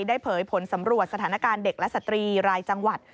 เผยผลสำรวจสถานการณ์เด็กและสตรีรายจังหวัด